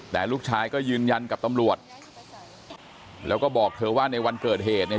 แต่ลูกชายก็ยืนยันกับตำรวจแล้วก็บอกเธอว่าในวันเกิดเหตุเนี่ย